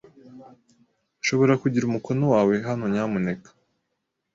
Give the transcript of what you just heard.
Nshobora kugira umukono wawe hano, nyamuneka?